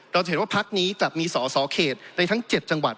เราจะเห็นว่าพักนี้จะมีสอสอเขตในทั้ง๗จังหวัด